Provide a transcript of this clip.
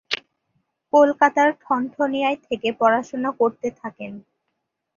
কলকাতার ঠনঠনিয়ায় থেকে পড়াশোনা করতে থাকেন।